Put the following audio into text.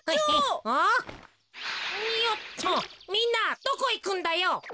みんなどこいくんだよ。